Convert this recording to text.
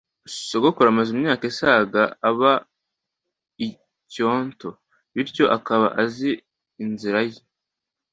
Sogokuru amaze imyaka isaga aba i Kyoto, bityo akaba azi inzira ye.